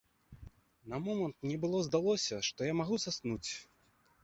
На момант мне было здалося, што я магу заснуць.